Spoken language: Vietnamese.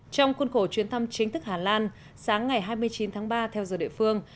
trong khuôn khổ chuyến thăm chính thức hà lan sáng ngày hai mươi chín tháng ba theo giờ địa phương